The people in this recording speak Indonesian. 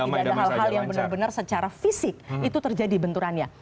tidak ada hal hal yang benar benar secara fisik itu terjadi benturannya